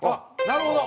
なるほど！